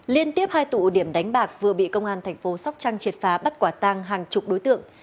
liên tiếp hai tụ điểm đánh bạc vừa bị công an thành phố sóc trăng triệt phá bắt quả tang hàng chục đối tượng